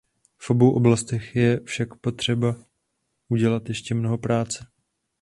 V obou oblastech je však třeba udělat ještě mnoho práce.